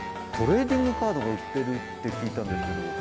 トレーディングカードが売ってるって聞いたんですけど。